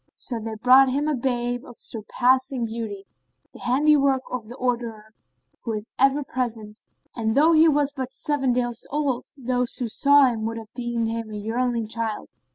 So they brought him a babe of surpassing beauty, the handiwork of the Orderer who is ever present and, though he was but seven days old, those who saw him would have deemed him a yearling child.